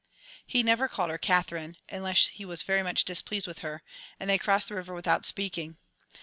He never called her "Katherine" unless he was very much displeased with her, and they crossed the river without speaking.